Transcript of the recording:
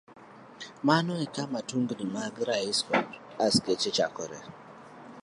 Mano e kama tungni mag raia kod askache chakoree.